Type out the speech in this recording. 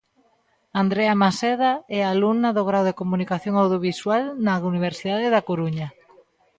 Andrea Maseda é alumna do Grao de Comunicación Audiovisual na Universidade da Coruña.